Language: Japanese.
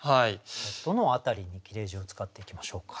どの辺りに切字を使っていきましょうか？